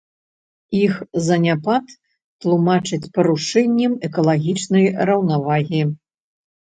Іх заняпад тлумачаць парушэннем экалагічнай раўнавагі.